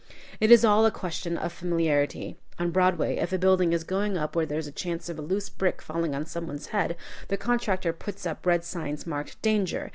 It is all a question of familiarity. On Broadway, if a building is going up where there is a chance of a loose brick falling on some one's head, the contractor puts up red signs marked "Danger!"